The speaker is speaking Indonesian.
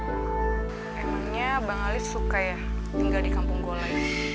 emangnya bang alif suka ya tinggal di kampung gola